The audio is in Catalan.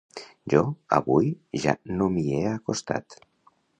Jo, avui ja no m'hi he acostat